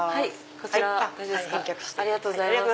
こちらありがとうございます。